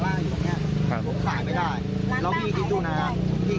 มันก็เลยกลายเป็นว่าเหมือนกับยกพวกมาตีกัน